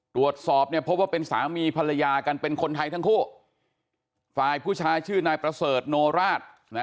ตรวจสอบเนี่ยพบว่าเป็นสามีภรรยากันเป็นคนไทยทั้งคู่ฝ่ายผู้ชายชื่อนายประเสริฐโนราชนะ